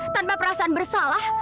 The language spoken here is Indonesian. tanpa perasaan bersalah